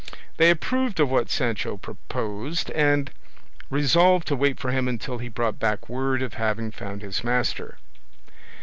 They approved of what Sancho proposed, and resolved to wait for him until he brought back word of having found his master.